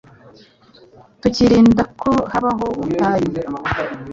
tukirinda ko habaho ubutayu.”